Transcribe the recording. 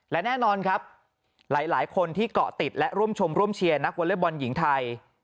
และแน่นอนครับหลายคนที่เกาะติดและร่วมชมร่วมเชียร์นักวอเล็กบอลหญิงไทย